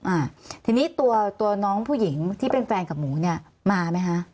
อ่าทีนี้ตัวตัวน้องผู้หญิงที่เป็นแฟนกับหมูเนี้ยมาไหมคะ